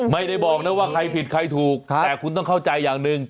ไม่ได้บอกนะว่าใครผิดใครถูกแต่คุณต้องเข้าใจอย่างหนึ่ง